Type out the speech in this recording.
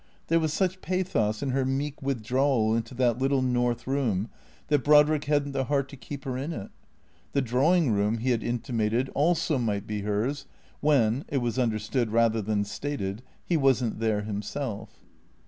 There was such pathos in her meek withdrawal into that little north room, that Brodrick had n't the heart to keep her in it. The drawing room, he had intimated, also might be hers, when (it was understood rather than stated) he was n't there himself.